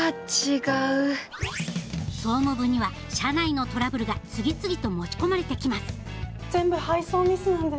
総務部には社内のトラブルが次々と持ち込まれてきます全部配送ミスなんです。